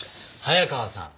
早川さん！